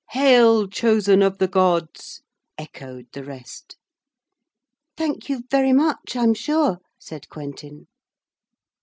'Hail, Chosen of the Gods!' echoed the rest. 'Thank you very much, I'm sure,' said Quentin.